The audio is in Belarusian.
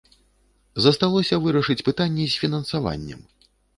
Засталося вырашыць пытанне з фінансаваннем.